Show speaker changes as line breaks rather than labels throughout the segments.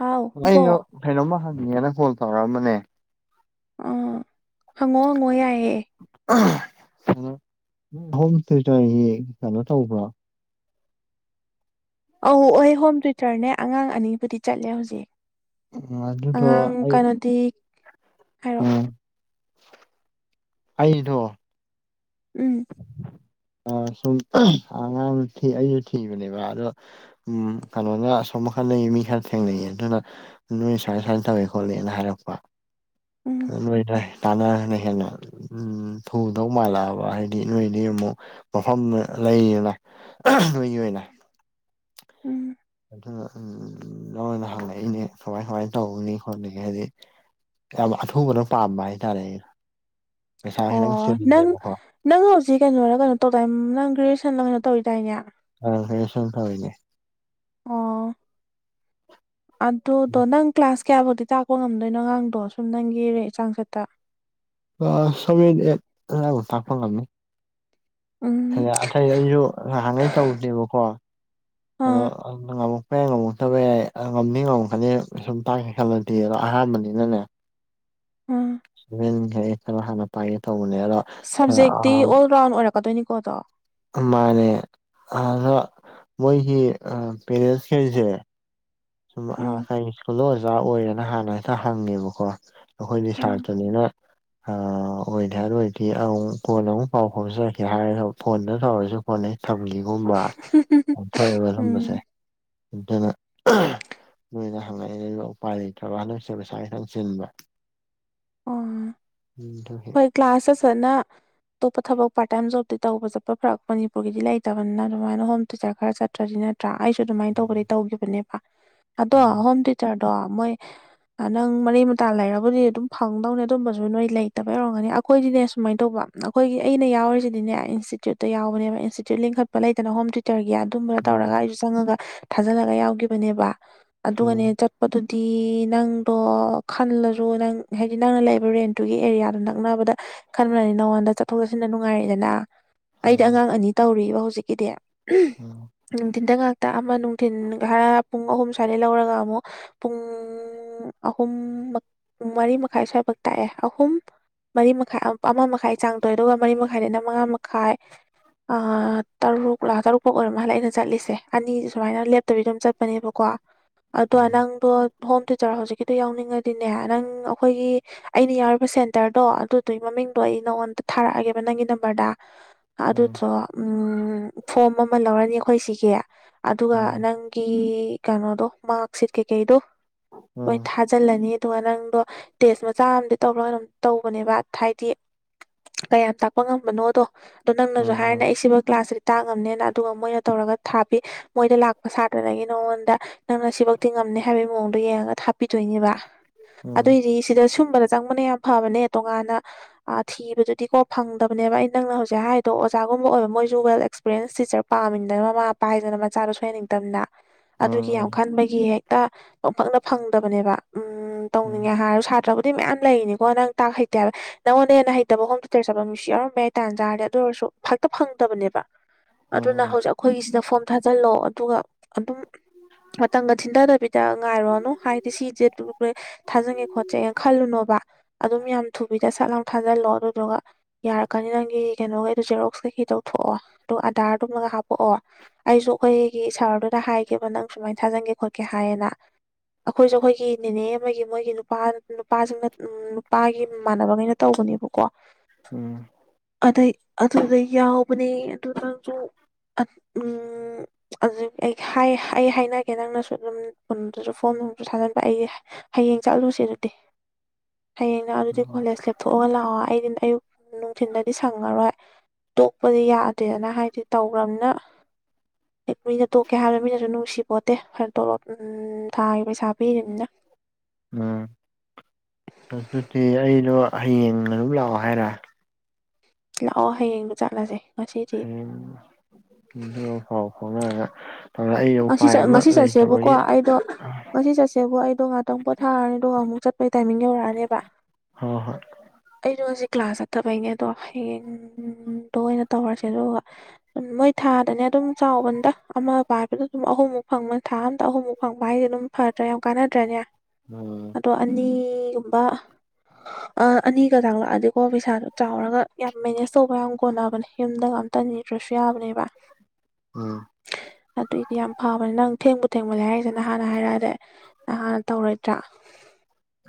ꯍꯥꯎ ꯕꯣ
ꯑꯩꯩꯅꯣ ꯀꯩꯅꯣꯝꯃ ꯍꯪꯒ‌ꯦꯅ ꯀ‌ꯣꯜ ꯇꯧꯔꯛꯑꯝꯕꯅꯦ
ꯑꯥ ꯍꯪꯉꯣ ꯍꯪꯉꯣ ꯌꯥꯏꯑꯦ
[unintelligible] ꯍꯣꯝ ꯇ꯭‌ꯌꯨꯇꯔꯒꯤ ꯀꯩꯅꯣ ꯇꯧꯕ꯭ꯔ‌ꯣ
ꯑꯧ ꯑꯣꯏ ꯍꯣꯝ ꯇ꯭ꯌꯨꯇꯔꯅꯦ ꯑꯉꯥꯡ ꯑꯅꯤꯕꯨꯗꯤ ꯆꯠꯂꯦ ꯍꯧꯖꯤꯛ
ꯑꯗꯨꯗꯣ
ꯑꯉꯥꯡ
ꯑꯩ
ꯀꯅꯣꯗꯤ ꯍꯥꯏꯔꯛꯑꯣ
[unintelligible] ꯑꯩꯗꯣ
ꯎꯝ
ꯑ ꯁꯨꯝ ꯑꯉꯥꯡ ꯑꯩꯁꯨ ꯊꯤꯕꯅꯦꯕ ꯑꯗꯣ ꯎꯝ ꯀꯩꯅꯣꯅ ꯑꯁꯣꯝꯅꯀꯟꯗꯩ ꯃꯤ ꯈꯔ ꯊꯦꯡꯅꯩꯌꯦ ꯑꯗꯨꯅ ꯅꯣꯏ ꯁꯥꯏ ꯁꯥꯏꯅ ꯇꯧꯋꯦ ꯈꯣꯠꯂꯦꯅ ꯍꯥꯏꯔꯛꯄ
ꯎꯝ
ꯅ‌ꯣꯏꯗ ꯇꯥꯟꯅꯔꯒꯅ ꯍꯦꯟꯅ ꯎꯝ ꯊꯨꯗꯧ ꯃꯥꯜꯂꯛꯑꯕ ꯍꯥꯏ ꯗꯤ ꯅꯣꯏꯗꯤ ꯑꯃꯨꯛ ꯃꯐꯝ ꯂꯩꯗꯅ ꯅꯣꯏꯒꯤ ꯑꯣꯏꯅ
ꯎꯝ
ꯑꯗꯨꯅ ꯎꯝ ꯅ‌ꯣꯏꯅ ꯍꯪꯉꯛꯏꯅꯦ ꯀꯃꯥꯏ ꯀꯃꯥꯏꯅ ꯇꯧꯅꯤ ꯈꯣꯠꯅꯤ ꯍꯥꯏꯗꯤ ꯌꯥꯝ ꯑꯊꯨꯕꯅ ꯄꯥꯝꯕ ꯍꯥꯏꯇꯥꯔꯦ ꯑꯩ
ꯑꯣ ꯅꯪ ꯅꯪ ꯍꯧꯖꯤꯛ ꯀꯩꯅꯣꯔꯥ ꯀꯩꯅꯣ ꯇꯧꯗꯥꯏ ꯅꯪ ꯒ꯭ꯔꯦꯖꯨꯌ‌ꯦꯁꯟꯂ ꯀꯩꯅꯣ ꯇꯧꯔꯤꯗꯥꯏꯅꯦ
ꯑ ꯒ꯭ꯔꯦꯖꯨꯌ‌ꯦꯁꯟ ꯇꯧꯏꯅꯦ
ꯑꯣ ꯑꯗꯨꯗꯣ ꯅꯪ ꯀ꯭ꯂꯥꯁ ꯀꯌꯥꯕꯨꯗꯤ ꯇꯥꯛꯄ ꯉꯝꯗꯣꯏꯅꯣ ꯑꯉꯥꯡꯗꯣ ꯁꯨꯝ ꯔ‌ꯦ ꯅꯪꯒꯤ ꯆꯥꯡꯆꯠꯇ
ꯀꯂ꯭ꯥꯁ ꯁꯕꯦꯟ ꯑꯩꯠ ꯑꯗꯥꯏꯐꯥꯎ ꯇꯥꯛꯄ ꯉꯝꯅꯤ
ꯎꯝ
ꯑꯗ ꯑꯇꯩꯩ ꯑꯩꯁꯨ ꯉꯍꯥꯟꯈꯩ ꯇꯧꯗꯦꯕꯀꯣ ꯑꯗꯣ
ꯑꯥ
ꯑꯗꯨ ꯉꯝꯃꯛꯄ ꯌꯥꯏ ꯉꯝꯃꯛꯇꯕ ꯌꯥꯏ ꯉꯝꯗꯤ ꯉꯝꯃꯛꯀꯅꯤ ꯁꯨꯝ ꯇꯥꯛꯀꯦ ꯈꯜꯂ ꯗꯤ ꯑꯍꯥꯟꯕꯅꯤꯅꯅꯦ
ꯑꯥ
ꯁꯚꯦꯟ ꯑꯩꯠ ꯈꯔ ꯍꯥꯟꯅ ꯄꯥꯏꯒꯦ ꯇꯧꯕꯅꯦ ꯑꯗꯣ
ꯁꯕꯖꯦꯛꯇꯤ ꯑꯣꯜ ꯔꯥꯎꯟ ꯑꯣꯏꯔꯛꯀꯗꯣꯏꯅꯤꯀꯣ ꯑꯗꯣ
ꯃꯥꯅꯦ ꯑꯗ‌ꯣ ꯃꯣꯏꯒꯤ ꯑ ꯄꯦꯔꯦꯟꯁꯈꯩꯁꯦ ꯁꯨꯝ ꯑꯍꯥ
ꯎꯝ
ꯀꯥꯏ ꯀꯨꯜꯗ ꯑꯣꯖꯥ ꯑꯣꯏꯔꯦꯅ ꯍꯥꯟꯅ ꯍꯦꯛꯇ ꯍꯪꯉꯦꯕꯀꯣ ꯑꯩꯈꯣꯏꯗꯤ
ꯎꯝ
ꯁꯥꯇ꯭ꯔꯅꯤꯅ ꯑ ꯑꯣꯏꯗ‌ꯦ ꯍꯥꯏꯔꯨꯔꯗꯤ ꯑꯃꯨꯛ ꯀꯣꯟꯅ ꯑꯃꯨꯛ ꯄꯥꯎ ꯐꯥꯎꯖꯔꯛꯀꯦ ꯍꯥꯏꯔ ꯐꯣꯟꯗ ꯇꯧꯔꯁꯨ ꯀ‌ꯣꯟ ꯍ‌ꯦꯛ ꯊꯝꯈꯤꯒꯨꯝꯕ ꯌꯥꯝ ꯊꯣꯛꯑꯦꯕ ꯑꯁꯨꯝꯕꯁꯦ
ꯎꯝ
ꯑꯗꯨꯅ ꯅꯣꯏꯅ ꯍꯪꯉꯛꯏ ꯎꯄꯥꯏ ꯂꯩꯇ꯭ꯔꯕ ꯍꯟꯗꯁꯦ ꯄꯩꯁꯥ ꯈꯤꯇꯪ ꯆꯤꯟꯕ
ꯑꯣ
ꯎꯝꯗ
ꯀ꯭ꯂꯥꯁꯥꯁꯁꯅ ꯑꯇꯣꯞꯄ ꯊꯕꯛ ꯄꯥꯔ ꯇꯥꯏꯝ ꯣꯕꯇ ꯇꯧꯕ ꯆꯠꯄ ꯐꯔꯛ ꯃꯅꯤꯄꯨꯔꯒꯤꯗꯤ ꯂꯩꯇꯕꯅꯤꯅ ꯑꯗꯨꯃꯥꯏꯅ ꯍꯣꯝ ꯇ꯭ꯨꯇꯆꯔ ꯈꯔ ꯆꯠ ꯅꯠꯇ꯭ꯔꯗꯤ ꯅꯠꯇ꯭ꯔꯥ ꯑꯩꯁꯨ ꯑꯗꯨꯃꯥꯏꯅ ꯇꯧꯕꯗꯤ ꯇꯧꯈꯤꯕꯅꯦꯕ ꯑꯗꯣ
ꯎꯝ
ꯍꯣꯝ ꯆꯔꯗꯣ ꯃꯣꯏ ꯅꯪ ꯃꯔꯤ ꯃꯇꯥ ꯂꯩꯔꯕꯨꯗꯤ ꯑꯗꯨꯝ ꯐꯪꯗꯧꯅꯦ ꯑꯗꯨꯝꯕꯁꯨ ꯅꯣꯏ ꯂꯩ ꯐꯠꯇꯕ ꯌꯧꯔꯝꯒꯅꯤ ꯑꯩꯈꯣꯏꯗꯤꯅꯦ ꯁꯨꯃꯥꯏꯅ ꯇꯧꯕ ꯑꯩꯈꯣꯏꯒꯤ ꯑꯩꯅ ꯌꯥꯎꯔꯤꯁꯤꯗꯤꯅꯦ ꯏꯟꯁꯇꯤꯇ꯭ꯌꯨꯠꯇ ꯌꯥꯎꯕꯅꯦꯕ ꯏꯟꯇꯤꯇ꯭ꯌꯨ ꯂꯤꯡꯈꯠ ꯂꯩꯗꯅ ꯍꯣ ꯔꯒꯤ ꯑꯗꯨꯝꯕꯗ
ꯎꯝ
ꯇꯧꯔꯒ ꯑꯩꯁꯨ ꯆꯪꯉꯒ ꯊꯥꯖꯜꯂꯒ ꯌꯥꯎꯈꯤꯕꯅꯦꯕ
ꯎꯝ
ꯑꯗꯨꯒꯅꯦ ꯑꯗꯨꯗꯤ ꯅꯪꯗꯣ ꯈꯜꯂꯁꯨ ꯅꯪ ꯍꯥꯏꯗꯤ ꯅꯪꯅ ꯂꯩꯕ ꯔꯦꯟꯇꯨꯒꯤ ꯑꯦꯔꯤꯌꯥꯗ ꯑꯗꯨ ꯅꯛꯅꯕꯗ ꯈꯟꯕꯅꯤ ꯅꯉꯣꯟꯗ ꯆꯠꯊꯣꯛ ꯆꯠꯁꯤꯟꯗ ꯅꯨꯡꯉꯥꯏꯔꯛꯦꯗꯅ ꯑꯩꯗꯤ ꯑꯉꯥꯡ
ꯎꯝ
ꯑꯅꯤ ꯇꯧꯔꯤꯕ ꯍꯧꯖꯤꯛꯀꯤꯗꯤ ꯅꯨꯡꯊꯤꯟꯗ ꯉꯥꯛꯇ ꯑꯃ ꯅꯨꯡꯊꯤꯟ ꯍꯔ ꯄꯨꯡ ꯑꯍꯨꯝ ꯁ꯭ꯋꯥꯏꯗ ꯂꯧꯔꯒ ꯑꯃꯨꯛ ꯄꯨꯡ ꯎ ꯑꯍꯨꯝ ꯃꯔꯤ ꯃꯈꯥꯏ ꯁ꯭ꯋꯥꯏꯐꯛ ꯇꯥꯛꯑꯦ ꯑꯍꯨꯝ ꯃꯔꯤ ꯃꯈꯥꯏ ꯑꯃ ꯃꯈꯥꯏ ꯆꯥꯡ ꯇꯣꯏꯦ ꯑꯗꯨꯒ ꯃꯔꯤ ꯃꯈꯥꯏꯗꯅ ꯃꯉꯥ ꯃꯈꯥꯏ ꯇꯔꯨꯛ ꯂ ꯇꯔꯨꯛ ꯐꯥꯎ ꯑꯣꯏꯔꯝ ꯃꯥꯜꯂꯦ ꯑꯩꯅ ꯆꯠꯂꯤꯁꯦ ꯑꯅꯤ ꯁꯨꯃꯥꯏꯅ ꯂꯦꯞꯇꯕꯤ ꯑꯗꯨꯝ ꯆꯠꯄꯅꯦꯕꯀꯣ ꯑꯗꯣ ꯅꯪꯗꯣ ꯍꯣꯝ ꯇꯤꯆꯔ ꯍꯧꯖꯤꯛꯀꯤꯗꯣ ꯌꯥꯎꯅꯤꯡꯉꯗꯤꯅꯦ ꯅꯪ ꯑꯩꯈꯣꯏꯒꯤ ꯑꯩꯅ ꯌꯥꯎꯔꯤꯕ ꯁꯦꯟ ꯍꯇꯔꯗꯣ ꯑꯗꯨꯗꯨꯒꯤ ꯃꯃꯤꯡꯗꯣ ꯑꯩ ꯅꯉꯣꯟꯗ ꯊꯥꯔꯛꯑꯒꯦꯕ ꯅꯪꯒꯤ ꯅꯝꯕꯔꯗ
ꯎꯝ
ꯑꯗꯨꯗꯣ ꯐꯣꯝ ꯑꯃ ꯂꯧꯔꯅꯤ ꯑꯩꯈꯣꯏ ꯁꯤꯒꯤ ꯑꯗꯨꯒ
ꯎꯝ
ꯅꯪ ꯒꯤ ꯀꯩꯅꯣꯗꯣ ꯃꯥꯔꯛꯁꯤꯠ ꯀꯩꯀꯩꯗꯣ
ꯎꯝ
ꯂꯣꯏ
ꯎꯝ
ꯊꯥꯖꯤꯜꯂꯅꯤ ꯑꯗꯨꯒ ꯅꯪꯗꯣ ꯇꯦꯁ ꯃꯆꯥ ꯑꯃꯗꯤ ꯇꯧꯔꯣ ꯇꯧꯕꯅꯦꯕ ꯍꯥꯏꯗꯤ ꯀꯌꯥꯝ ꯇꯥꯛꯄ ꯉꯝꯕꯅꯣꯗꯣ ꯑꯗꯣ
ꯎꯝ ꯎꯝ ꯎꯝ
ꯅꯪꯅꯁꯨ
ꯎꯝ
ꯍꯥꯏꯔꯅꯦ ꯑꯩ ꯁꯤꯕꯨ ꯀ꯭ꯂꯥꯁꯁꯤꯗꯤ ꯇꯥꯡꯉꯝꯅꯦꯅ ꯑꯗꯨꯒ ꯃꯣꯏꯅ ꯇꯧꯔꯒ ꯊꯥꯕꯤ ꯃꯣꯏꯗ ꯂꯥꯛꯄ ꯁꯥꯇ꯭ꯔꯉꯗꯒꯤ ꯅꯉꯣꯟꯗ ꯅꯪꯅ ꯁꯤꯐꯛꯇꯤ ꯉꯝꯅꯤ ꯍꯥꯏꯕꯒꯤ ꯃꯑꯣꯡꯗꯣ ꯌꯦꯡꯉꯒ ꯊ ꯍꯥꯄꯤꯗꯣꯏꯅꯦꯕ
ꯎꯝ ꯎꯝ
ꯑꯗꯨꯑꯣꯏꯗꯤ ꯁꯤꯗ ꯁꯨꯝꯕꯗ ꯆꯪꯕꯅ ꯌꯥꯝ ꯐꯕꯅꯦ ꯇꯣꯉꯥꯟꯅ ꯊꯤꯕꯗꯨꯗꯤ ꯀꯣ ꯐꯪꯗꯕꯅꯦꯕ ꯑꯩ ꯅꯪꯅ ꯍꯧꯖꯤꯛ ꯍꯥꯏꯗꯣ ꯑꯣꯖꯥꯒꯨꯝꯕ ꯑꯣꯏꯕ ꯃꯣꯏꯁꯨ ꯋꯦꯜ ꯑꯦꯛꯁꯄ ꯄꯄꯦꯔꯦꯟꯁ ꯇꯤꯆꯔ ꯄꯥꯝꯃꯤꯗꯅ ꯃꯃꯥ ꯃꯄꯥ ꯍꯥꯏꯗꯅ ꯃꯆꯥꯗꯣ ꯁꯣꯏꯍꯟꯅꯤꯡꯗꯕꯅꯤꯅ ꯑꯗꯨꯒꯤ
ꯎꯝ
ꯌꯥꯝ ꯈꯟꯕꯒꯤ ꯍꯦꯛꯇ ꯄꯪꯄꯛꯅ ꯐꯪꯗꯕꯅꯦꯕ ꯎꯝ ꯇꯧꯅꯤꯡꯉꯦ ꯍꯥꯏꯔꯁꯨ ꯁꯥꯇ꯭ꯔꯕꯨꯗꯤ ꯃꯌꯥꯝ ꯂꯩꯅꯤꯀꯣ ꯅꯪ ꯇꯥꯛ ꯍꯩꯇꯦ ꯍꯥꯏꯕ ꯅꯪꯉꯣꯟꯅ ꯍꯦꯟꯅ ꯍꯩꯇꯕ ꯍꯣꯝꯗꯇꯔ ꯆꯠꯄ ꯃꯤꯃꯤꯁꯨ ꯌꯥꯎꯔꯝꯝꯕ ꯌꯥꯏ ꯇꯥꯥꯟ ꯆꯥꯔꯦ ꯑꯗꯨ ꯑꯣꯏꯔꯁꯨ ꯐꯛꯇ ꯐꯪꯗꯕꯅꯦꯕ ꯑꯗꯨꯅ
ꯎꯝ
ꯍꯧꯖꯤꯛ ꯑꯩꯈꯣꯏꯒꯤꯁꯤꯗ ꯐꯣꯝ ꯊꯥꯖꯤꯜꯂꯣ ꯑꯗꯨꯒ ꯑꯗꯨꯝ ꯃꯇꯝꯒ ꯊꯤꯟꯊꯗꯕꯤꯗ ꯉꯥꯏꯔꯣꯅꯨ ꯍꯥꯏꯗꯤ ꯁꯤꯁꯦ ꯊꯥꯖꯪꯉꯦ ꯈꯣꯠꯆꯩꯦꯅ ꯈꯜꯂꯨꯅꯣꯕ ꯑꯗꯨꯝ ꯌꯥꯝ ꯊꯨꯕꯤꯗ ꯁꯠ ꯂꯥꯡ ꯊꯥꯖꯤꯜꯂꯣ ꯑꯗꯨꯗꯨꯒ ꯌꯥꯔꯛꯀꯅꯤ ꯅꯪꯒꯤ ꯀꯩꯅꯣꯒꯩ ꯑꯗꯨ ꯖꯦꯔꯣꯛꯁꯀꯩꯈꯤꯤꯗꯧ ꯊꯣꯛꯣꯛꯑꯣ ꯑꯗꯨꯒ ꯑꯙꯔꯗꯨꯃꯒ ꯍꯥꯞꯄꯛꯑꯣ ꯑꯩꯁꯨ ꯑꯩꯈ ꯒꯤ ꯁꯍꯔꯗꯨꯗ ꯍꯥꯏꯒꯦꯕ ꯅꯪ ꯁꯨꯃꯥꯏꯅ ꯊꯥꯖꯟꯒꯦ ꯈꯣꯠꯀꯦ ꯍꯥꯏꯌꯦꯅ ꯑꯩꯈꯣꯏꯁꯨ ꯑꯩꯈꯣꯏꯒꯤ ꯅꯦꯅꯦ ꯑꯃꯒꯤ ꯃꯣꯏꯒꯤ ꯅꯨꯄꯥ ꯅꯨꯄꯥꯁꯤꯡꯅ ꯎ ꯄꯥꯒꯤ ꯏꯃꯥꯟꯅꯕꯈꯩꯅ ꯇꯧꯕꯅꯦꯕꯀꯣ
ꯎꯝ
ꯑꯗꯩ ꯑꯗꯨꯗꯩ ꯌꯥꯎꯕꯅꯦ ꯑꯗꯨꯗꯪꯁꯨ ꯎꯝ ꯑꯗꯨ ꯑꯩ ꯑꯩ ꯍꯥꯏꯅꯒꯦ ꯅꯪꯅꯁꯨ ꯑꯗꯨꯝ ꯀꯟꯗꯨꯁꯨ ꯐꯣꯝ ꯝꯁꯨ ꯊꯥꯖꯤꯟꯕ ꯑꯩ ꯍꯌꯦꯡ ꯆꯠꯂꯨꯁꯦ ꯑꯗꯨꯠꯇꯗꯤ ꯍꯌꯦꯡꯅ ꯑꯗꯨꯗꯤ ꯀꯣꯂꯦꯖ ꯂꯦꯞꯊꯣꯛꯑꯒ ꯂꯥꯛꯑꯣ ꯑꯩꯗꯤ ꯑꯌꯨꯛ ꯅꯨꯡꯊꯤꯟꯗꯗꯤ ꯁꯪꯉꯔꯣꯏ ꯇꯣꯛꯄꯗꯤ ꯌꯥꯗꯦꯅ ꯍꯥꯏꯗꯤ ꯇꯧꯈ꯭ꯔꯕꯅ ꯃꯤꯅ ꯇꯣꯛꯀꯦ ꯍꯥꯏꯕꯗ ꯃꯤꯅꯁꯨ ꯅꯨꯡꯁꯤꯄꯣꯠꯇꯦꯔ ꯇꯣꯂꯣꯞ ꯊꯥꯒꯤ ꯄꯩꯁꯥ ꯄꯤꯔꯤꯕꯅꯤꯅ
ꯎꯝ ꯑꯗꯨꯗꯤ ꯑꯩꯗꯣ ꯍꯌꯦꯡ ꯑꯗꯨꯝ ꯂꯥꯛꯑꯣ ꯍꯥꯏꯔ
ꯂꯥꯛꯑꯣ ꯍꯌꯦꯡꯗꯨ ꯆꯠꯂꯁꯦ ꯉꯁꯤꯗꯤ
ꯍꯝ ꯐꯥꯎ ꯐꯥꯎꯉ
ꯑꯁꯤ ꯉꯁꯤ ꯆꯠꯁꯦꯕꯀꯣ ꯑꯩꯗꯣ
ꯍꯣꯏ
ꯉꯁꯤ ꯆꯠꯁꯦꯕ ꯑꯩꯗꯣ ꯉꯥꯛꯇꯪ ꯄꯣꯊꯥꯔꯅꯤ ꯑꯗꯨꯒ ꯑꯃꯨꯛ ꯆꯠꯄꯒꯤ ꯇꯥꯏꯃꯤꯡ ꯌꯧꯔꯛꯑꯅꯦꯕ
ꯍꯣꯏ ꯍꯣꯏ
ꯑꯩꯗꯣ ꯍꯧꯖꯤꯛ ꯀ꯭ꯂꯥꯁ ꯆꯠꯇꯕꯩꯅꯦ ꯑꯗꯣ ꯍꯌꯦꯡꯗꯣ ꯑꯣꯏꯅ ꯇꯧꯔꯁꯦ ꯑꯗꯨꯒ ꯎ ꯃꯣꯏ ꯊꯥꯗꯅꯦ ꯑꯗꯨꯝ ꯆꯥꯎꯕꯗ ꯑꯃ ꯄꯥꯏꯕꯗꯣ ꯑꯗꯨꯝ ꯑꯍꯨꯝꯃꯨꯛ ꯐꯪꯕ ꯊꯥ ꯑꯝꯇ ꯑꯍꯨꯝꯃꯨꯛ ꯐꯪꯕ ꯍꯥꯏꯁꯗꯤ ꯑꯗꯨꯝ ꯐꯗ꯭ꯔꯥ ꯌꯥꯝ ꯀꯥꯟꯅꯗ꯭ꯔꯅꯦ
ꯎꯝ
ꯣ ꯑꯅꯤꯒꯨꯝꯕ ꯑꯅꯤꯒ ꯆꯥꯛꯂꯛꯑꯗꯤꯀꯣ ꯄꯩꯁꯥꯗꯣ ꯆꯥꯎꯔꯒ ꯌꯥꯝ ꯃꯦꯅꯦꯖ ꯇꯧꯕ ꯌꯥꯝ ꯀꯣꯟꯅꯕꯅꯦ ꯌꯨꯝꯗ ꯇꯅꯤꯗ꯭ꯔꯁꯨ ꯌꯥꯕꯅꯦꯕ
ꯑꯝ
ꯑꯗꯨꯏꯗꯤ ꯌꯥꯝ ꯐꯕꯅꯦ ꯅꯪ ꯊꯦꯡꯕꯨ ꯊꯦꯡꯃꯜꯂꯦ ꯍꯥꯏꯔꯤꯁꯤꯦꯅ ꯍꯥꯟꯅ ꯍꯥꯏꯔꯛꯑꯗꯤ ꯍꯥꯟꯅ ꯇꯧꯔꯣꯏꯗ꯭ꯔꯥ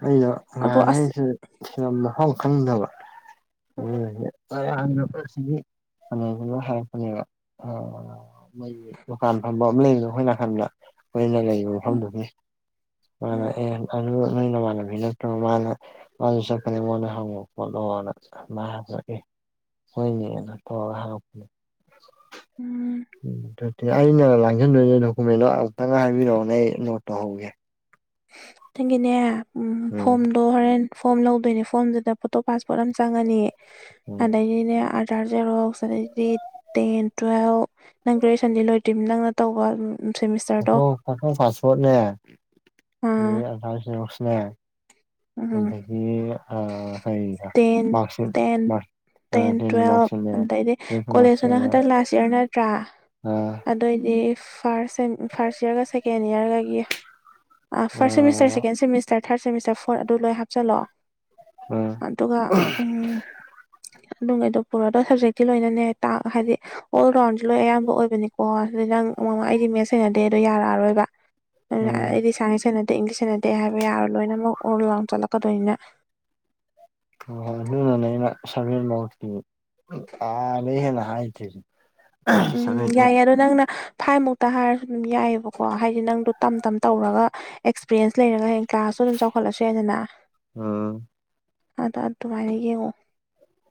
ꯑꯩꯗꯣ
ꯑꯗꯣ ꯑꯁ
ꯉꯍꯥꯡꯉꯩꯁꯦ ꯃꯐꯝ ꯈꯪꯗꯕ ꯎ
ꯎꯝ
ꯐꯕ ꯃꯣꯏꯒꯤ ꯗꯨꯀꯥꯟ ꯐꯝꯕ ꯑꯃ ꯂꯩꯕꯗ ꯑꯩꯈꯣꯏ ꯅꯥꯀꯟꯗ ꯑꯣꯏꯅ ꯂꯩ
ꯎꯝ
ꯅꯤ ꯃꯥꯅ
ꯎꯝ
ꯑꯦ ꯑꯗꯨ ꯅꯣꯏ ꯅꯃꯥꯟꯅꯕꯤ ꯅꯠꯇ꯭ꯔꯒ ꯃꯥꯅ ꯑꯗꯨ ꯆꯄꯅꯤ ꯃꯟꯅ ꯍꯪꯉꯅ ꯃꯥꯦ ꯍꯅꯤꯅ ꯍꯥ
ꯎꯝ
ꯑꯩꯅ ꯂꯥꯡꯁꯤꯟꯗꯣꯏꯅꯦ ꯗꯣꯀꯨꯃꯦꯟꯗꯣ ꯑꯃꯨꯛꯇꯪ ꯍꯥꯏꯕꯤꯔꯛꯑꯣꯅꯦ ꯑꯩ ꯅꯣꯠ ꯇꯧꯍꯧꯒꯦ
ꯊꯦꯡꯒꯤꯅꯦ ꯎ
ꯎꯝ
ꯐꯣꯝ ꯐꯣꯗꯣ ꯍꯣꯔꯦꯟ ꯐꯣꯝ ꯂꯧꯗꯣꯏꯅꯦ ꯐꯣꯝꯗꯨꯗ ꯐꯣꯇꯣ ꯄꯥꯁꯄꯣꯔꯠ ꯑꯃ ꯆꯪꯉꯅꯤ
ꯎꯝ
ꯑꯗꯩꯅꯦ ꯑ ꯔ ꯖꯦꯔꯣ ꯁꯤꯗꯩꯗꯤ ꯇꯦꯟ ꯇꯨꯋꯦꯜꯞ ꯅꯪ ꯒ꯭ꯔꯦꯖꯨꯑꯌꯦꯁꯟꯗꯤ ꯂꯣꯏꯗ꯭ꯔꯤꯕ ꯅꯪꯅ ꯇꯧꯕ ꯁꯦꯃꯤꯁꯇꯔꯗꯣ
ꯐꯣꯇꯣ ꯐꯇꯣ ꯄꯥꯁꯄꯣꯔꯠꯅꯦ
ꯑꯥ
ꯑꯁꯣꯛꯁꯅꯦ
ꯎꯝ
ꯑꯗꯒꯤ ꯍ
ꯇꯦꯟ
ꯃꯥꯔꯁ
ꯇꯦꯟ
ꯃꯥ
ꯇꯦꯟ ꯇꯨꯋꯦꯜꯐ ꯑꯗꯩꯗꯤ ꯀꯣꯂꯦꯖꯇꯅ
ꯃꯥꯔꯛꯁꯤꯠꯅꯦ
ꯈꯇꯪ ꯂꯥꯁ ꯏꯌꯥꯔ ꯅꯠꯇ꯭ꯔꯥ
ꯑꯥ
ꯑꯗꯨꯑꯣꯏꯗꯤ ꯐꯥꯔꯁ ꯐꯥꯔꯁ ꯏꯌꯥꯔꯒ ꯁꯦꯀꯦꯟ ꯏꯌꯥꯔꯒꯒꯤ ꯐꯥꯔꯁ ꯁꯦꯃꯤꯁꯇꯔ
ꯑꯥ
second semester third semester four ꯑꯗꯨ ꯂꯣꯏ ꯍꯥꯞꯆꯜꯂꯑꯣ
ꯑꯣꯝ
ꯑꯗꯨꯒ ꯑꯗꯨꯝ ꯀꯩꯗꯣ ꯄꯨꯔꯗ ꯁꯕꯖꯦꯛꯇꯤ ꯂꯣꯏꯅꯅꯦꯥꯛ ꯍꯥꯏꯗꯤ ꯑꯣꯜ ꯔꯥꯎꯟꯁꯦ ꯂꯣꯏ ꯑꯌꯥꯝꯕ ꯑꯣꯏꯕꯅꯤꯀꯣ ꯑꯗꯨꯗꯤ ꯅꯪ ꯑꯩꯗꯤ ꯃꯦꯠꯁ ꯁꯦꯡꯅꯗꯦ ꯑꯗꯨꯗꯣ ꯌꯥꯔꯛꯑꯔꯣꯏꯕ ꯑꯗꯨ
ꯎꯝ
ꯑꯩꯗꯤ ꯁꯥꯏꯁ ꯁꯦꯟꯅꯗꯦ ꯏꯪꯂꯤꯁ ꯁꯦꯟꯅꯗꯦ ꯍꯥꯏꯕ ꯌꯥꯔꯣ ꯂꯣꯏꯅꯃꯛ ꯑꯣꯔ ꯂꯥꯎ ꯆꯠꯂꯛꯀꯗꯣꯏꯅꯤꯅ
ꯍ ꯍꯣꯏ ꯑꯗꯨꯅꯅꯦ ꯑꯩꯅ ꯁꯔ ꯃꯀꯤ ꯑꯥ ꯂꯩ ꯍꯦꯟꯅ ꯍꯥꯏꯗꯦꯔꯤꯁ
ꯎꯝ ꯌꯥꯏ ꯌꯥꯔꯣ ꯅꯪꯅ ꯐꯥꯏ ꯃꯨꯛꯇ ꯍꯥꯏꯔꯁꯨ ꯑꯗꯨꯝ ꯌꯥꯏꯑꯕꯀꯣ ꯍꯥꯏꯗꯤ ꯅꯪꯗꯣ ꯇꯝ ꯇꯝ ꯇꯧꯔꯒ ꯑꯦꯛꯁꯄꯤꯔꯤꯌꯦꯟꯁ ꯂꯩꯔꯒ ꯍꯦꯛ ꯀ꯭ꯂꯥꯁꯁꯨ ꯑꯗꯨꯝ ꯆꯥꯎꯈꯠꯂꯁ ꯌꯥꯗꯅ
ꯎꯝ
ꯑꯗꯣ ꯑꯗꯨꯃꯥꯏꯅ ꯌꯦꯡꯉꯣ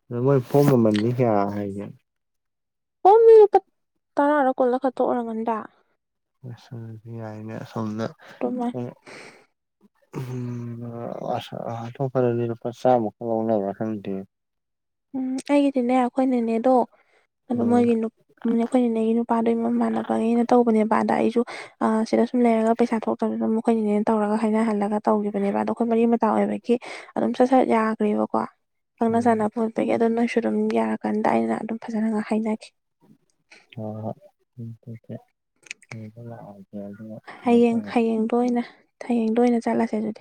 ꯑꯗ ꯃꯣꯏ ꯐꯣꯝ ꯃꯃꯜꯗꯤ ꯀꯌꯥ ꯍꯥꯏꯒꯦ
ꯑꯣ ꯃꯤ ꯂꯨꯄꯥ ꯇꯔꯥꯔ ꯀꯣꯜꯂ ꯈꯠꯇꯣꯛꯎꯔꯝꯃꯟꯗ
ꯌꯥꯏꯅꯦ ꯁꯣꯝꯅ
ꯑꯗꯨꯃꯥꯏ
ꯍꯥꯇꯣꯄꯗꯤ ꯂꯨꯄꯥ ꯆꯥꯝꯃꯨꯛ ꯈ ꯂꯧꯥꯎ ꯂꯩꯕ ꯈꯪꯗꯦ
ꯎꯝ ꯑꯩꯒꯤꯗꯤꯅꯦ ꯑꯩꯈꯣꯏꯅꯅꯦ ꯑꯗꯣ ꯑ
ꯎꯝ
ꯃꯣꯏꯒꯤ ꯑꯩꯈꯣꯏ ꯅꯅꯦꯒꯤ ꯅꯨꯄꯥꯗꯣ ꯏꯃꯝ ꯃꯥꯟꯅꯕꯅꯦꯅ ꯇꯧꯕꯅꯦꯕꯗ ꯑꯩꯁꯨ ꯁꯤꯗ ꯁꯨꯝ ꯂꯩꯔꯒ ꯄꯩꯁꯥ ꯊꯣꯛꯇꯕꯗꯅ ꯃꯈꯣꯏꯅꯤꯅꯦꯅ ꯇꯧꯔꯒ ꯍꯥꯏꯅꯍꯜꯂꯒ ꯇꯧꯈꯤꯕꯅꯦꯕ ꯑꯗꯣ ꯑꯩꯈꯣꯏ ꯃꯔꯤ ꯃꯇꯥ ꯑꯣꯏꯕꯒꯤ ꯑꯗꯨꯝ ꯁꯠ ꯁꯠ ꯌꯥꯈ꯭ꯔꯦꯕꯀꯣ ꯈꯪꯅ
ꯎꯝ
ꯆꯥꯅꯕ ꯈꯣꯠꯄꯒꯤ ꯑꯗꯨ ꯅꯣꯏꯁꯨ ꯑꯗꯨꯝ ꯌꯥꯔꯀꯥꯟꯗ ꯑꯩꯅ ꯑꯗꯨꯝ ꯐꯖꯅ ꯍꯥꯏꯅꯈꯤ
ꯍ ꯍꯣꯏꯦ
ꯍꯌꯦꯡ ꯍꯌꯦꯡꯗ ꯑꯣꯏꯅ ꯍꯌꯦꯡꯗ ꯑꯣꯏꯅ ꯆꯠꯂꯁꯦ ꯑꯗꯨꯗꯤ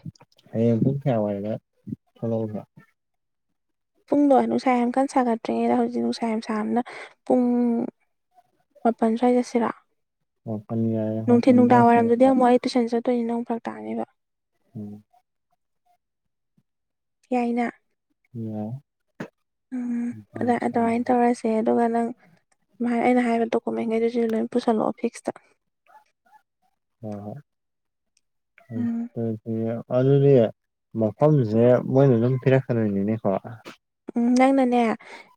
ꯍꯌꯦ ꯀꯌꯥꯋꯥꯔꯒ ꯊꯂ
ꯄꯨꯡꯗꯣ ꯅꯨꯡꯁꯥ ꯌꯥꯝ ꯀꯟ ꯁꯥꯒꯠꯇ꯭ꯔꯤꯉꯩꯗ ꯍꯧꯖꯤꯛ ꯅꯨꯡꯁꯥ ꯌꯥꯝ ꯁꯥꯥꯕꯅ ꯄꯨꯡ ꯃꯥꯄꯜ ꯁ꯭ꯋꯥꯏ ꯆꯠꯁꯤꯔ
ꯃꯥꯄꯟ ꯌꯥꯏ
ꯅꯨꯡꯊꯤꯤꯟ
ꯃꯥꯄꯟ ꯑꯗꯥꯏ
ꯅꯨꯡꯗꯥꯡꯋꯥꯏꯔꯝꯗꯨꯗꯤ
ꯊꯣꯛꯂꯛꯑꯣꯕ
ꯑꯃꯨꯛ ꯑꯩ ꯇꯨꯏꯁꯟ ꯆꯠꯇꯣꯏꯅꯤ ꯅꯪ ꯐꯔꯛꯥꯛꯑꯅꯦꯕ
ꯎꯝ
ꯌꯥꯏꯅ
ꯎꯝ
ꯎꯝ ꯑ ꯑꯗꯨꯃꯥꯏꯅ ꯇꯧꯔꯁꯤ ꯁ ꯑꯗꯨꯒ ꯅꯪꯃꯥꯏꯅ ꯑꯩꯅ ꯍꯥꯏꯔꯤꯕ ꯗꯣꯀꯨꯃꯦꯟꯈꯩꯗꯨꯁꯨ ꯂꯣꯏ ꯄꯨꯁꯜꯂꯛꯑꯣ ꯐꯤꯛꯁꯇ
ꯑꯣ
ꯎꯝ
ꯑꯗꯨꯗꯤ ꯃꯐꯝꯁꯦ ꯃꯣꯏꯅ ꯑꯗꯨꯝ ꯄꯤꯔꯛꯀꯗꯣꯏꯅꯤꯅꯦꯀꯣ
ꯎꯝ ꯅꯪꯅꯅꯦ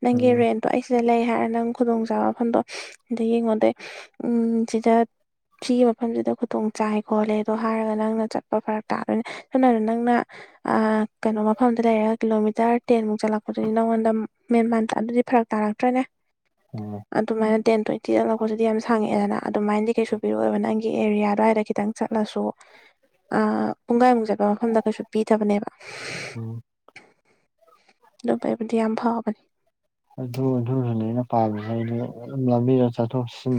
ꯅꯪꯒꯤ
ꯎꯝ
ꯔꯦꯟꯇꯣ ꯑꯩ ꯁꯤꯗ ꯂꯩ ꯍꯥꯏꯔꯒ ꯅꯪ ꯈꯨꯗꯣꯡꯆꯥꯥꯕ ꯃꯐꯝꯗꯣ ꯗ ꯃꯗ ꯎꯝ ꯁꯤꯖ ꯁꯤꯒꯤ ꯃꯐꯝꯁꯤꯗ ꯈꯨꯗꯣꯡ ꯆꯥꯏ ꯈꯣꯠꯂꯦ ꯑꯗꯣ ꯍꯥꯏꯔꯒ ꯅꯪꯅ ꯆꯠꯄ ꯐꯔꯛ ꯇꯥꯗꯣꯏꯅꯦ ꯁꯝꯅꯗ ꯅꯪꯅ ꯑ ꯀꯩꯅꯣ ꯃꯐꯝꯗ ꯂꯩꯔꯒ ꯀꯤꯂꯣꯃꯤꯇꯔ ꯇꯦꯟꯃꯨꯛ ꯆꯠꯂꯛꯄ ꯑꯗꯨꯗꯒꯤ ꯅꯪꯉꯣꯟꯗ ꯃꯦꯟ ꯃꯥꯟ ꯑꯗꯨꯗꯤ ꯐꯔꯛ ꯇꯥꯔꯛꯇ꯭ꯔꯦꯅꯦ
ꯎꯝ
ꯑꯗꯨꯃꯥꯏꯅ ꯇꯦꯟ ꯇ꯭ꯋꯦꯟꯇꯤꯗ ꯂꯄꯁꯤꯗꯤ ꯌꯥꯝ ꯁꯪꯉꯛꯦꯗꯅ ꯑꯗꯨꯃꯥꯏꯅꯗꯤ ꯀꯩꯁꯨ ꯄꯤꯔꯑꯣꯕꯅ ꯅꯪꯒꯤ ꯑꯦꯔꯤꯌꯥ ꯑꯗꯨꯋꯥꯏꯗ ꯈꯤꯇꯪ ꯆꯠꯂꯁꯨ ꯄꯨꯡꯒꯥꯏꯃꯨꯛ ꯆꯠꯄ ꯃꯐꯝꯗ ꯀꯩꯁꯨ ꯄꯤꯗꯕꯅꯦꯕ
ꯎ
ꯑꯗꯨꯕꯩꯕꯨꯗꯤ ꯌꯥꯝ ꯐꯥꯎꯕꯅꯦ
ꯑꯗꯨ ꯑꯗꯨꯁꯨꯅꯦ ꯑꯩꯅ ꯄꯥꯝꯃꯤꯁꯗꯤ ꯂꯝꯕꯤꯗ ꯆꯠꯊꯣꯛꯟ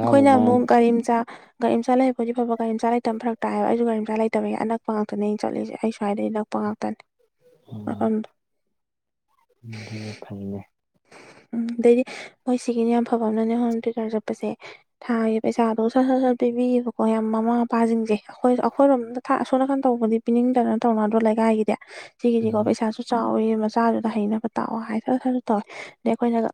ꯑꯩꯈꯣꯏꯅ ꯑꯃꯨꯛ ꯀꯔꯤꯝꯆꯥ ꯒꯥꯔꯤ ꯑꯃꯆꯥ ꯆ ꯂꯩ ꯍꯄꯗꯤ ꯐꯕ ꯒꯥꯔꯤꯆꯥ ꯂꯩꯇꯕ ꯐꯛ ꯇꯥꯏꯑꯕ ꯑꯩꯁꯨ ꯒꯥꯔꯤꯆꯥ ꯂꯩꯇꯕꯒꯤ ꯑꯅꯛ ꯉꯥꯛꯇꯅꯦꯅꯤ ꯆꯠꯂꯤꯁꯦ ꯑꯩ ꯁ꯭ꯏꯗꯒꯤ ꯄꯉꯇꯦ ꯑ
ꯑꯗꯨ ꯐꯪꯅꯦ
ꯎꯝ ꯑꯗꯩꯗꯤ ꯃꯣꯏ ꯁꯤꯒꯤꯅꯦ ꯌꯥꯝ ꯐꯕ ꯑꯃꯅꯅꯦ ꯍꯣꯝ ꯇꯌꯨꯇꯔ ꯆꯠꯄꯁꯦ ꯊꯥꯒꯦ ꯄꯩꯁꯥꯗꯣ ꯁꯠ ꯁ ꯁꯠ ꯄꯤꯕꯤꯌꯦꯕꯀꯣ ꯌꯥꯝ ꯃꯃꯥ ꯃꯄꯥꯁꯤꯡꯁꯦ ꯑꯩꯈꯣꯏ ꯑꯩꯈꯣꯏꯔꯣꯝꯗ ꯊꯥꯛ ꯑꯁꯣꯅꯥꯀꯟ ꯇꯧꯕꯗꯤ ꯄꯤꯅꯤꯡꯗꯅ ꯇꯧꯅꯗ꯭ꯔꯣ ꯂꯩꯀꯥꯏꯒꯤꯗꯤ ꯁꯤꯒꯤꯁꯤꯀꯣ
ꯎꯝ
ꯄꯩꯁꯥꯁꯨ ꯆꯥꯎꯋꯤ ꯃꯆꯥꯗꯨꯗ ꯍꯩꯅꯕ ꯇꯥꯛꯑꯣ ꯍꯥꯏꯔ ꯇꯧꯋꯦ ꯑꯗꯩ ꯑꯩꯈꯣꯏꯅꯒ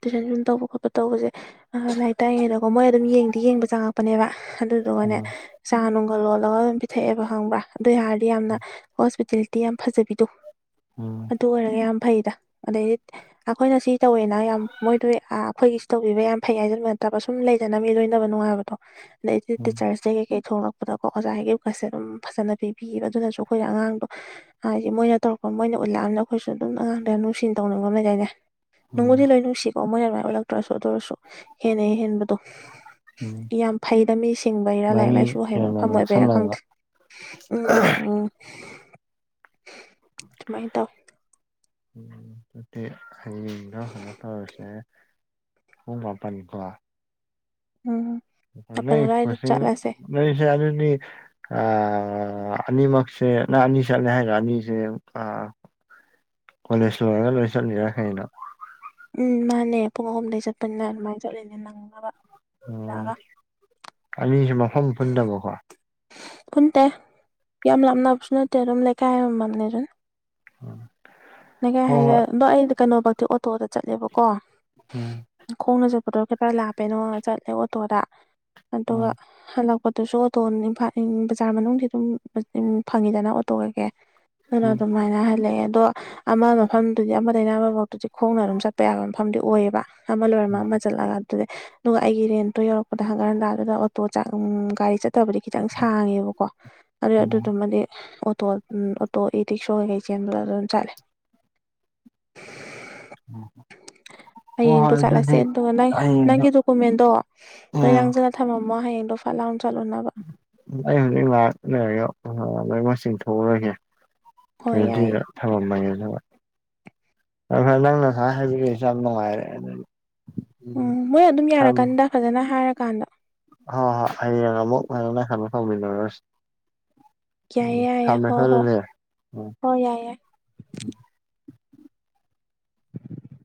ꯇꯨꯏꯁꯟ ꯁꯨꯝ ꯇꯧꯕ ꯈꯣꯠꯄ ꯇꯧꯕꯁꯦ ꯑ ꯂꯥꯏꯔꯤꯛ ꯇꯥꯏꯏꯉꯩꯗꯀꯣ ꯃꯣꯏ ꯑꯗꯨꯝ ꯌꯦꯡꯗꯤ ꯌꯦꯡꯕ ꯆꯪꯉꯛꯄꯅꯦꯕ ꯑꯗꯨꯗꯨꯒꯅꯦ
ꯎꯝ
ꯆꯥ ꯅꯨꯡꯒ ꯂꯣꯜꯂꯒ ꯑꯗꯨꯝ ꯄꯤꯊꯛꯑꯦꯕ ꯈꯪꯕ꯭ꯔꯥ ꯑꯗꯨ ꯑꯣꯏ ꯌꯥꯔꯗꯤ ꯌꯥꯝꯅ ꯍꯣꯁꯄꯤꯇꯦꯂꯤꯇꯤ ꯌꯥꯝ ꯐꯖꯕꯤꯗꯣ
ꯎꯝ
ꯑꯗꯨ ꯑꯣꯏꯔꯒ ꯌꯥꯝ ꯐꯩꯗ ꯑꯗꯩꯗꯤ ꯑꯩꯈꯣꯏꯅ ꯁꯤ ꯇꯧꯋꯦꯅ ꯌꯥꯝ ꯃꯣꯏꯗꯣ ꯑꯩꯈꯣꯏꯒꯤꯁꯨ ꯇꯧꯕꯤꯕ ꯌꯥꯝ ꯐꯩ ꯍꯥꯏꯖꯟꯕ ꯅꯠꯇꯕ ꯁꯨꯝ ꯂꯩꯖꯅꯕ ꯃꯤ ꯂꯣꯏꯅꯕ ꯅꯨꯡꯉꯥꯏꯕꯗ ꯂꯩꯗꯤ
ꯎꯝ
ꯆꯔꯁꯒꯦ ꯀꯩ ꯊꯧꯅ ꯀꯣ ꯑꯣꯖꯥ ꯍꯥꯏꯒꯤ ꯋꯁꯦ ꯑꯗꯨꯝ ꯐꯖꯅ ꯄꯤꯕꯤꯌꯦꯕ ꯑꯗꯨꯅꯁꯨ ꯑꯩꯈꯣꯏ ꯑꯉꯥꯡꯗꯣ ꯍꯥꯏꯗꯤ ꯃꯣꯏꯅ ꯇꯧꯔꯛꯄ ꯃꯣꯏꯅ ꯎꯠꯂꯛꯑꯝꯅ ꯑꯩꯈꯣꯏꯁꯨ ꯑꯗꯨꯝ ꯑꯉꯥꯡꯗ ꯅꯨꯡꯁꯤꯟ ꯇꯧꯅꯤꯡꯅꯕ ꯂꯩ ꯀꯥꯏꯗ ꯅꯪꯕꯨꯗꯤ
ꯎꯝ
ꯂꯣꯏ ꯅꯨꯡꯁꯤꯠ ꯀ ꯃꯣꯏꯅ ꯃꯥꯏ ꯑꯣꯠꯂꯛꯇ꯭ꯔꯁꯨ ꯑꯗꯨ ꯑꯣꯏꯔꯁꯨ ꯍꯦꯟꯅꯩꯦ ꯍꯦꯟꯕꯗꯣ
ꯎꯝ
ꯌꯥꯝ ꯐꯩꯗ ꯃꯤ ꯁꯤꯡꯕꯩꯔꯥ ꯂꯥꯏꯔꯤꯛ
ꯃꯔꯤ
ꯂꯥꯏꯁꯨ ꯍꯩꯕ
ꯍꯦꯟꯅ
ꯃꯐꯝ ꯑꯣꯏꯕꯩꯔꯥ
ꯅꯛꯁꯟꯅꯕ
ꯈꯪꯗ꯭ꯔꯦ ꯎꯝ ꯎꯝ ꯎꯝ ꯁꯃꯥꯏ ꯇꯥꯎ
ꯎꯝ ꯑꯗꯨꯤ ꯍꯌꯦꯡꯗ ꯀꯩꯅꯣ ꯇꯧꯔꯁꯦ ꯍꯄꯅꯤꯀ
ꯎꯝ ꯑꯄꯅ ꯂ ꯑꯂ ꯆꯠꯁꯦ
ꯅꯁꯅꯤ ꯑ ꯑꯅꯤꯃꯛꯁꯦ ꯅꯪ ꯑꯅꯤ ꯆꯠꯂ ꯍꯥꯏꯔ ꯑꯅꯤꯁꯦ ꯑ ꯀꯣꯂꯦꯖ ꯂꯣꯏꯔꯒ ꯂꯣꯏ ꯆꯠꯂꯤꯔꯈꯩꯅꯣ
ꯎꯝ ꯃꯥꯅꯦ ꯄꯨꯡ ꯑꯍꯨꯝꯗꯒꯤꯩ ꯆꯠꯄꯅꯤꯅ ꯑꯗꯨꯃꯥꯏꯅ ꯆꯠꯂꯤꯅꯦ ꯅꯪꯅꯕ
ꯑꯣ
ꯂꯥꯛꯑꯒ
ꯑꯅꯤꯁꯨ ꯃꯐꯝ ꯄꯨꯟꯗꯕꯀꯣ
ꯀꯟ ꯇ ꯌꯥꯝ ꯂꯝꯅꯅꯥꯞꯁꯅ ꯇꯔꯣꯝ ꯂ ꯀꯥꯏꯣ ꯃꯅꯤꯔ
ꯎꯝ
ꯂꯩꯀꯥꯏ ꯍꯥꯏꯒꯦ ꯑꯗꯣ ꯑꯩꯗꯤ ꯀꯩꯅꯣ ꯐꯛꯇꯤ ꯑꯣꯇꯣꯗ ꯆꯠꯂꯦꯕꯀꯣ
ꯎ
ꯈꯣꯡꯅ ꯆꯠꯄꯗꯣ ꯀꯇꯔ ꯂꯥꯞꯄꯦꯅꯣ ꯆꯠꯂꯦ ꯑꯣꯇꯣꯗ ꯑꯗꯨꯒ
ꯎꯝ
ꯍꯜꯂꯛꯄꯗꯨꯁꯨ ꯑꯣꯇꯣ ꯏꯝꯐꯥꯜ ꯕꯖꯥꯔ ꯃꯅꯨꯡ ꯑꯗꯨꯝ ꯐꯪꯉꯤꯗꯅ ꯑꯣꯇꯣ ꯀꯩꯀꯦ ꯑꯗꯨꯅ ꯑꯗꯨꯃꯥꯏꯅ ꯍꯜꯂꯛꯑꯦ ꯑꯗꯣ ꯑꯃ ꯃꯐꯝꯗꯨꯗꯤ ꯑꯃꯗꯩꯅ ꯑꯃꯐꯥꯎꯇꯨꯗꯤ ꯈꯣꯡꯅ ꯑꯗꯨꯝ ꯆꯠꯄ ꯌꯥꯕ ꯃꯐꯝꯗꯤ ꯑꯣꯏꯌꯦꯕ ꯊꯃꯜ ꯑꯣꯏꯔꯃ
ꯎꯝ
ꯃꯥ ꯂꯥꯛꯑ ꯑꯗꯨ ꯑꯗꯨꯒ ꯑꯩꯒꯤ ꯔꯦꯟꯇꯣ ꯌꯧꯔꯛꯄꯗ ꯍꯪꯒꯥꯔ ꯍꯟꯗꯥꯗꯨꯗ ꯑꯣꯇꯣ ꯒꯥꯔꯤ ꯆꯠ ꯐꯠꯇꯕꯗꯤ ꯈꯤꯇꯪ ꯁꯥꯡꯉꯦꯕꯀꯣ ꯑꯗꯨ
ꯎꯝ ꯎꯝ
ꯑꯗꯨꯗꯨꯃꯗꯤ ꯑꯣꯇꯣ ꯎꯝ ꯑꯣꯇꯣꯒꯤ ꯔꯤꯛꯁꯣ ꯀꯩꯀꯩ ꯆꯦꯟꯕꯗ ꯑꯗꯨꯝ ꯆꯥꯠꯂꯦ
ꯑꯣ ꯍ
ꯍꯌꯦꯡꯗꯣ ꯆꯠꯂꯁꯦ ꯑꯗꯨꯒ ꯅꯪ
ꯍꯌꯦꯡꯗꯣ
ꯅꯪꯒꯤ ꯗꯣꯀꯨꯃꯦꯟꯗꯣ ꯂꯣꯏ
ꯎꯝ
ꯂꯪꯖꯔ ꯊꯃ ꯑꯃꯃꯣ ꯍꯌꯦꯡ ꯗꯣꯐꯥ ꯂꯥꯎꯟ ꯆꯜꯂ
ꯑꯩ ꯍꯧꯖꯤꯛ ꯂꯥꯛ ꯂꯩꯔꯒ ꯂꯩꯉꯣꯢ ꯆꯤꯡꯊꯣꯛ ꯎꯔꯒꯦ
ꯍꯣꯏ ꯌꯥꯏꯌꯦ
ꯔꯦꯗꯤꯗ ꯊꯝꯃꯝꯃꯒꯦ ꯊ ꯐꯔ ꯅꯪꯅ ꯉꯁꯥꯏ ꯍꯥꯏꯕꯤꯔꯛꯏꯁꯨ ꯌꯥꯝ ꯅꯨꯡꯉꯥꯏꯔꯦ ꯑꯗꯨꯗꯤ
ꯎꯝ ꯃꯣꯏ ꯑꯗꯨꯝ ꯌꯥꯔꯀꯥꯟꯗ ꯐꯖꯅ ꯍꯥꯏꯔꯀꯥꯟꯗ
ꯍ ꯍꯣꯏ ꯍꯌꯦꯡ ꯑꯃꯨꯛ ꯉ ꯈꯥꯟꯟꯅ ꯐꯥꯎꯃꯤꯟꯅꯔꯁꯤ ꯎꯝ
ꯌꯥꯏꯌꯦ ꯌꯥꯏꯌꯦ
ꯊꯝꯃꯦꯀꯣ
ꯍꯣꯏ ꯍꯣꯏ
ꯑꯗꯨꯗꯤ ꯎꯝ
ꯍꯣꯏ ꯌꯥꯏ ꯌꯥꯏ [inaudible]